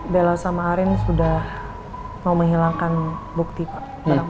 bela sama arief sudah mau menghilangkan bukti pak